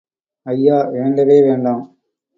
ஐயோ, வேண்டவே வேண்டாம்.